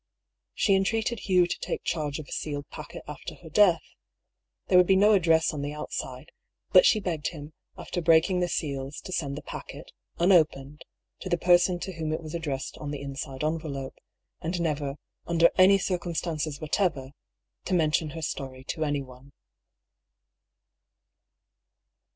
She entreated Hugh to take charge of a sealed packet after her death. There would be no address on the out side — ^but she begged him, after breaking the seals, to send the packet, unopened, to the person to whom it was addressed on the inside envelope, and never, under any circumstances whatever, to mention her story to anyone.